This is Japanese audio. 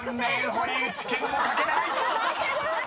堀内健も書けない！］